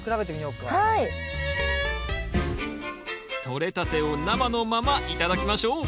とれたてを生のまま頂きましょう！